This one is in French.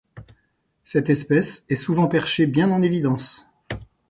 Cette espèce est souvent perchée bien en évidence.